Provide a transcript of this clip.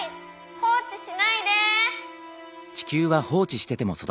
放置しないで！